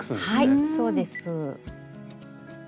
はいそうです。